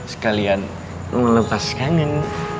sekalian melepas kangen